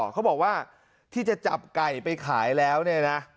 เขาบอกว่าที่จะจับไก่ไปขายแล้วเนี่ยนะ